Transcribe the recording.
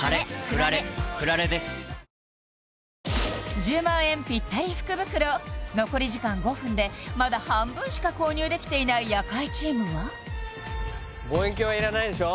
１０万円ぴったり福袋残り時間５分でまだ半分しか購入できていない夜会チームは望遠鏡はいらないでしょ？